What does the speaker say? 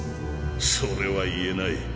それは言えない。